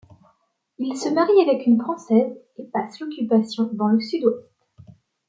Il se marie avec une Française et passe l'Occupation dans le Sud-Ouest.